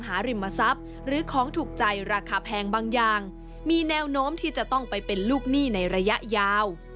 หาริมทรัพย์หรือของถูกใจราคาแพงบางอย่างมีแนวโน้มที่จะต้องไปเป็นลูกหนี้ในระยะยาว